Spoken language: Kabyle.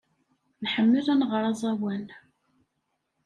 Nḥemmel ad nɣer aẓawan.